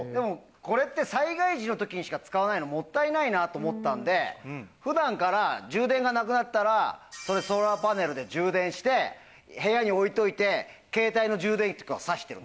これって、災害時のときにしか使わないのもったいないなって思ったんで、ふだんから充電がなくなったら、ソーラーパネルで充電して、部屋に置いといて、すごい。